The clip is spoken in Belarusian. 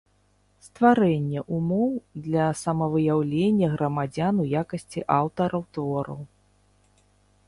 Стварэнне ўмоў для самавыяўлення грамадзян у якасцi аўтараў твораў.